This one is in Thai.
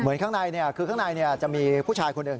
ข้างในคือข้างในจะมีผู้ชายคนหนึ่ง